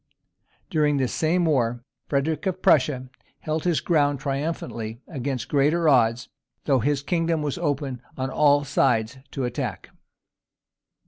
During this same war, Frederic of Prussia held his ground triumphantly against greater odds, though his kingdom was open on all sides to attack.